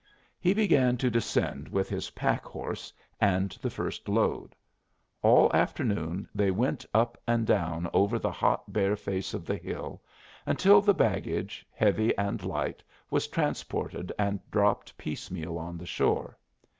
He began to descend with his pack horse and the first load. All afternoon they went up and down over the hot bare face of the hill, until the baggage, heavy and light, was transported and dropped piecemeal on the shore.